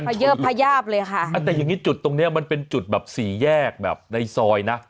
ประเยอร์ประหยาบเลยค่ะเหมือนจุดตรงนี้มันเป็นจุดแบบสี่แยกแบบในซอยเนี่ย